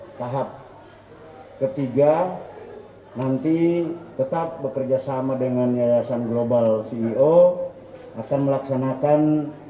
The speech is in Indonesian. hai tahap ketiga nanti tetap bekerjasama dengan yayasan global ceo akan melaksanakan